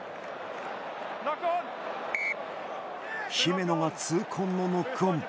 姫野が痛恨のノックオン。